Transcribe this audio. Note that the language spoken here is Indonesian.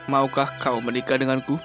maukah kau menikah dengan aku